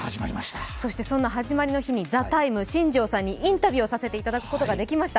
そして、その始まりの日に「ＴＨＥＴＩＭＥ，」はインタビューをさせていただくことができました。